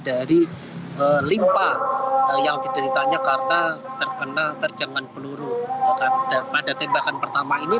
dari limpa yang dideritanya karena terkena terjangan peluru pada tembakan pertama ini